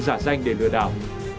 giả danh để lừa đảo